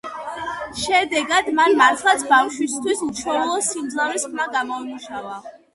შედეგად, მან მართლაც ბავშვისთვის უჩვეულო სიმძლავრის ხმა გამოიმუშავა.